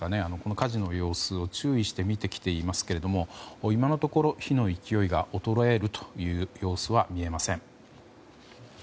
火事の様子を注意して見てきていますが今のところ、火の勢いが衰えるという様子は見えません。